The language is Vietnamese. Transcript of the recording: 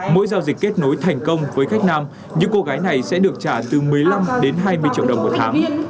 mỗi giao dịch kết nối thành công với khách nam những cô gái này sẽ được trả từ một mươi năm đến hai mươi triệu đồng một tháng